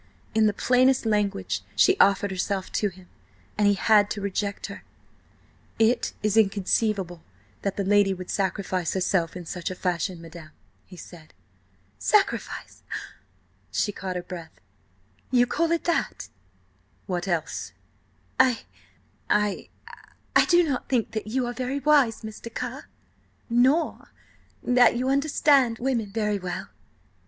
In the plainest language she offered herself to him, and he had to reject her. "It is inconceivable that the lady would sacrifice herself in such a fashion, madam," he said. "Sacrifice!" She caught her breath. "You call it that!" "What else?" "I ... I ... I do not think that you are very wise, Mr. Carr. Nor ... that you ... understand women ... very well.